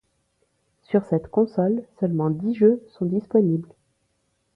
Sur cette console, seulement dix jeux sont disponibles.